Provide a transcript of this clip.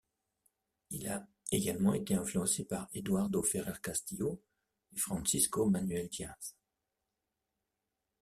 Il a également été influencé par Eduardo Ferrer Castillo et Francisco Manuel Diaz.